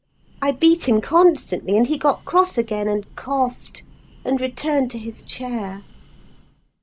I beat him constantly; and he got cross again, and coughed, and returned to his chair.